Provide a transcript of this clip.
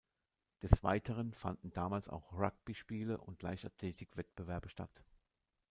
Des Weiteren fanden damals auch Rugbyspiele und Leichtathletikwettbewerbe statt.